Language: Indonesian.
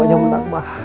pokoknya menang mah